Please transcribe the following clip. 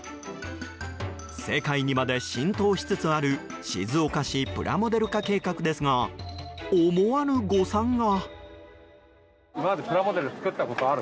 世界にまで浸透しつつある静岡市プラモデル化計画ですが思わぬ誤算が。